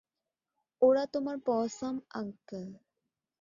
ওরা তোমার পসাম আংকেল।